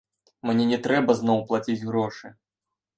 Мне не трэба зноў плаціць грошы.